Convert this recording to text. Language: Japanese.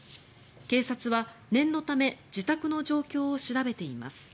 警察は念のため自宅の状況を調べています。